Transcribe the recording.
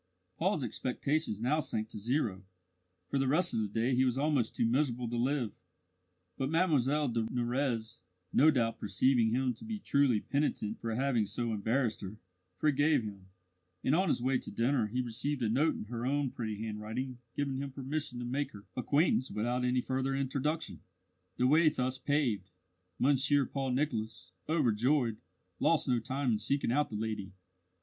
Paul's expectations now sank to zero; for the rest of the day he was almost too miserable to live. But Mlle de Nurrez, no doubt perceiving him to be truly penitent for having so embarrassed her, forgave him, and on his way to dinner he received a note in her own pretty handwriting giving him permission to make her acquaintance without any further introduction. The way thus paved, Monsieur Paul Nicholas, overjoyed, lost no time in seeking out the lady.